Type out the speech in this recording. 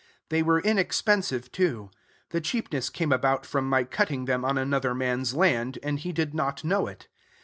They were inexpensive, too. The cheapness came about from my cutting them on another man's land, and he did not know it.